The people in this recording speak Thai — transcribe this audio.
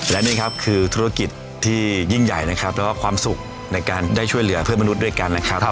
และนี่ครับคือธุรกิจที่ยิ่งใหญ่นะครับแล้วก็ความสุขในการได้ช่วยเหลือเพื่อนมนุษย์ด้วยกันนะครับ